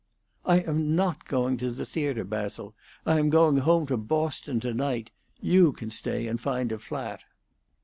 "I am not going to the theatre, Basil. I am going home to Boston to night. You can stay and find a flat."